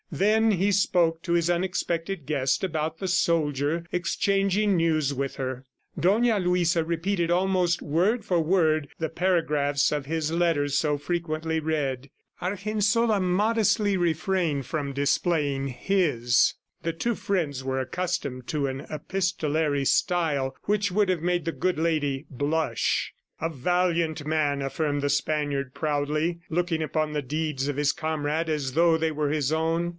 Then he spoke to his unexpected guest about the soldier, exchanging news with her. Dona Luisa repeated almost word for word the paragraphs of his letters so frequently read. Argensola modestly refrained from displaying his; the two friends were accustomed to an epistolary style which would have made the good lady blush. "A valiant man!" affirmed the Spaniard proudly, looking upon the deeds of his comrade as though they were his own.